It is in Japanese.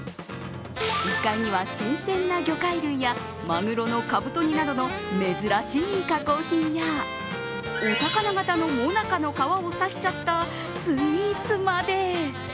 １階には新鮮な魚介類やまぐろのかぶと煮などの珍しい加工品や、お魚型のもなかの皮をさしちゃったスイーツまで。